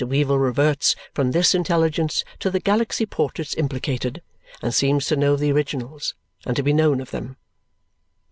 Weevle reverts from this intelligence to the Galaxy portraits implicated, and seems to know the originals, and to be known of them.